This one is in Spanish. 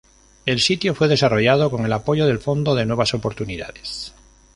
El sitio fue desarrollado con el apoyo del Fondo de Nuevas Oportunidades.